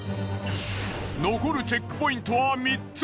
残るチェックポイントは３つ。